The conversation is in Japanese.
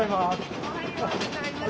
おはようございます。